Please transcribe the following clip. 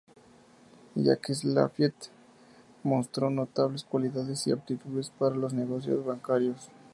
Jacques Laffitte mostró notables cualidades y aptitudes para los negocios bancarios.